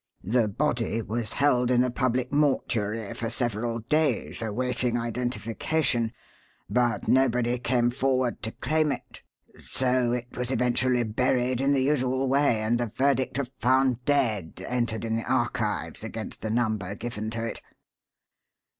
The body was held in the public mortuary for several days awaiting identification, but nobody came forward to claim it; so it was eventually buried in the usual way and a verdict of 'Found Dead' entered in the archives against the number given to it.